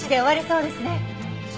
そうですね。